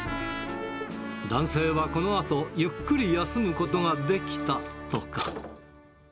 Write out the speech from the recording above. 男性はこのあと、ゆっくり休むことができたとか。